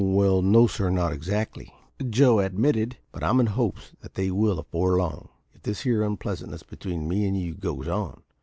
"Well, no, sir, not exactly," Joe admitted. "But I'm in hopes that they will afore long, if this here unpleasantness between me and you goes on.